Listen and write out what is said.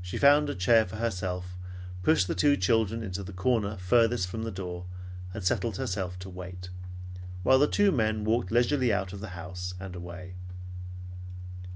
She found a chair for herself, pushed the two children in the corner farthest from the door, and settled herself to wait, while the two men walked leisurely out of the house and away.